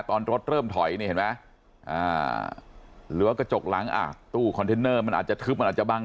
ตอนรถเริ่มถอยนี่เห็นไหมหรือว่ากระจกหลังอ่ะตู้คอนเทนเนอร์มันอาจจะทึบมันอาจจะบัง